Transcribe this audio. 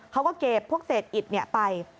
เขาก็เก็บพวกเศษอิดไป